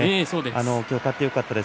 今日勝ってよかったです。